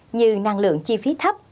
ít như năng lượng chi phí thấp